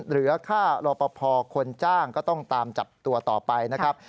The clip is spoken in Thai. เหลือค่ารอปภคนจ้างก็ต้องตามจับตัวต่อไปนะครับ